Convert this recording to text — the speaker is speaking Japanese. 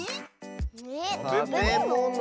えったべもの？